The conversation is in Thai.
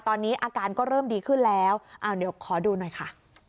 ตอนนี้อาการก็เริ่มดีขึ้นแล้วเดี๋ยวขอดูหน่อยค่ะ